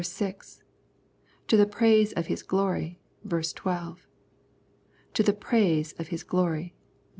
6) ; "To the praise of His glory" (ver. 12); " To the praise of His glory " (ver.